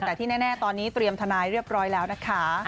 แต่ที่แน่ตอนนี้เตรียมทนายเรียบร้อยแล้วนะคะ